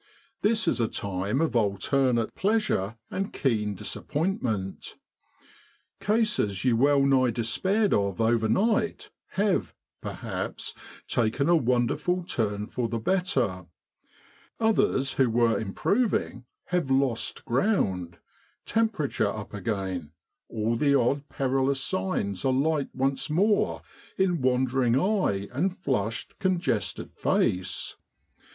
This is a time of alternate pleasure and keen disappointment. Cases you well nigh despaired of overnight have, perhaps, taken a wonderful turn for the better; others who were im proving, have lost ground temperature up again, all the old perilous signs alight once more in wandering eye and flushed, congested face.